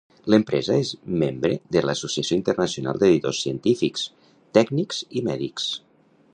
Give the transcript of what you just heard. L'empresa és membre de l'Associació internacional d'editors científics, tècnics i mèdics.